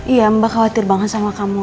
iya mbak khawatir banget sama kamu